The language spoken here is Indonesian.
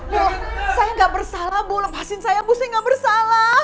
bu saya gak bersalah bu lepasin saya ibu saya gak bersalah